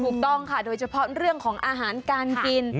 ถูกต้องค่ะโดยเฉพาะเรื่องของอาหารการกิน